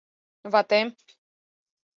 — Ватем...